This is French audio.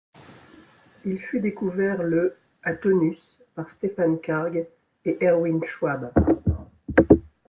Il fut découvert le à Taunus par Stefan Karge et Erwin Schwab.